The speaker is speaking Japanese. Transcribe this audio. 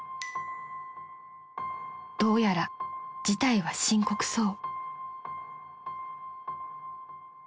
［どうやら事態は深刻そう］